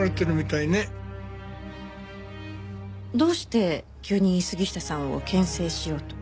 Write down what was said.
どうして急に杉下さんを牽制しようと？